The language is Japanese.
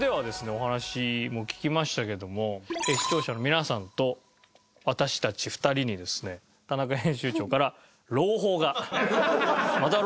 お話も聞きましたけども視聴者の皆さんと私たち２人にですね田中編集長から朗報がまた朗報が。